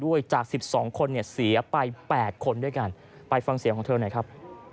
ด้วยจากสิบสองคนเนี่ยเสียไปแปดคนด้วยกันไปฟังเสียของเธอหน่อยครับ